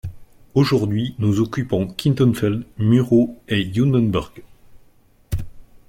Aujourd'hui nous occupons Kintenfeld, Murau et Jundenburg.